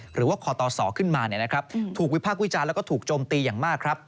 หรือว่าคอตอสอขึ้นมาถูกวิพากวิจารณ์และถูกโจมตีอย่างมาก